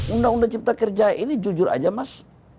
undang undang cipta kerja ini jujur aja mas